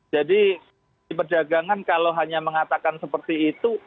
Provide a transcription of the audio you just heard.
jadi di perdagangan kalau hanya mengatakan seperti itu